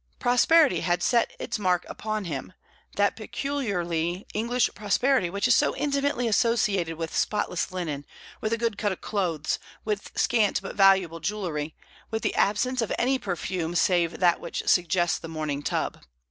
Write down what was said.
Prosperity had set its mark upon him, that peculiarly English prosperity which is so intimately associated with spotless linen, with a good cut of clothes, with scant but valuable jewellery, with the absence of any perfume save that which suggests the morning tub.